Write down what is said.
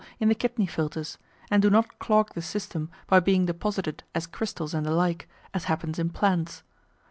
in the kidney filters, and do not clog the system by being deposited as crystals and the like, as happens in plants.